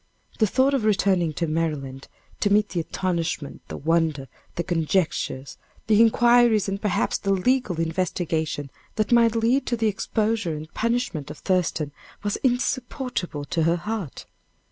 The thought of returning to Maryland, to meet the astonishment, the wonder, the conjectures, the inquiries, and perhaps the legal investigation that might lead to the exposure and punishment of Thurston, was insupportable to her heart.